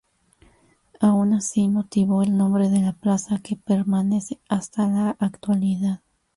Aun así, motivó el nombre de la plaza, que permanece hasta la actualidad.